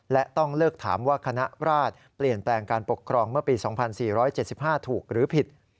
และต้องเลิกถามว่าคณะราชเปลี่ยนแปลงการปกครองเมื่อปี๒๔๗๕ถูกหรือผิด